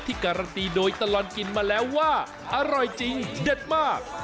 การันตีโดยตลอดกินมาแล้วว่าอร่อยจริงเด็ดมาก